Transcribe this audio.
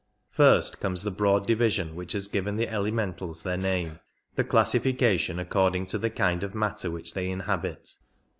First comes the broad division which has given the elementals their name — the classification ac cording to the kind of matter which they inhabit.